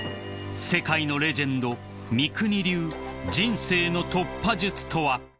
［世界のレジェンドミクニ流人生の突破術とは］